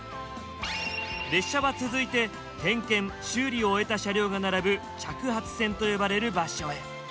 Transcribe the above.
列車は続いて点検・修理を終えた車両が並ぶ着発線と呼ばれる場所へ。